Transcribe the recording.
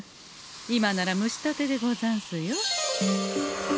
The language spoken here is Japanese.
今なら蒸したてでござんすよ。